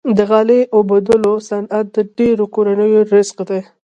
د غالۍ اوبدلو صنعت د ډیرو کورنیو رزق دی۔